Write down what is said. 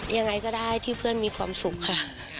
ยังไงก็ได้ที่เพื่อนมีความสุขค่ะ